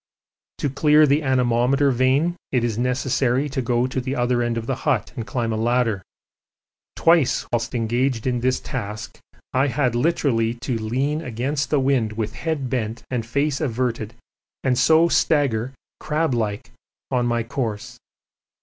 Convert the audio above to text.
To clear the anemometer vane it is necessary to go to the other end of the hut and climb a ladder. Twice whilst engaged in this task I had literally to lean against the wind with head bent and face averted and so stagger crab like on my course.